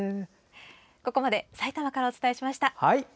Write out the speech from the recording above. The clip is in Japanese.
ここまでさいたまからお伝えしました。